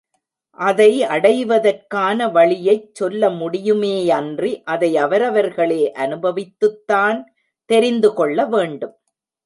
அதை அடைவதற்கான வழியைச் சொல்ல முடியுமேயன்றி அதை அவரவர்களே அநுபவித்துத்தான் தெரிந்து கொள்ள வேண்டும்.